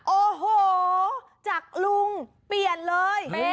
โอ้โหจากลุงเปลี่ยนเลย